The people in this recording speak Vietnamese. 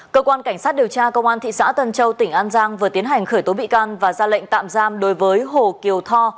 cơ quan cảnh sát điều tra công an thị xã tân châu tỉnh an giang vừa tiến hành khởi tố bị can và ra lệnh tạm giam đối với hồ kiều thò